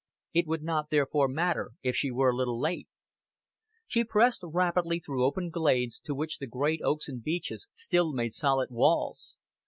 It would not therefore matter if she were a little late. She passed rapidly through open glades, to which the great oaks and beeches still made solid walls.